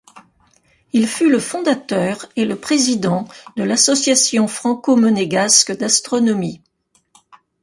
Il fut le fondateur et le président de l'association franco-monégasque d'astronomie.